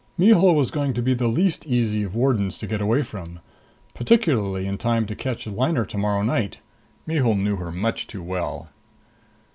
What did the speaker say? Mihul was going to be the least easy of wardens to get away from ... particularly in time to catch a liner tomorrow night. Mihul knew her much too well.